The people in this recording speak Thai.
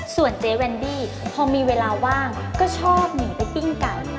ส่วนเจ๊แวนดี้เพราะมีเวลาว่างก็ชอบเหนื่อยได้ปิ้งไก่